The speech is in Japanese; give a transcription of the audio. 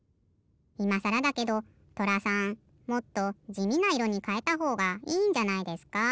いまさらだけどとらさんもっとじみないろにかえたほうがいいんじゃないですか？